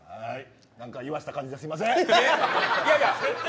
何か言わせた感じですみません。